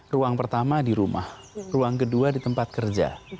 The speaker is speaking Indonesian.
ruang pertama di rumah ruang kedua di tempat kerja